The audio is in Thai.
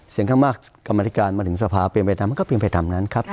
เสียงข้างมากกรรมศิการมาถึงสภาเป็นไปตามก็เป็นไปตามนั้นครับ